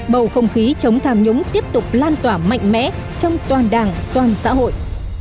bầu không khí chống tham nhũng tiếp tục lan tỏa mạnh mẽ trong toàn đảng toàn xã hội